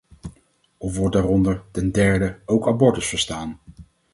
Of wordt daaronder, ten derde, ook abortus verstaan?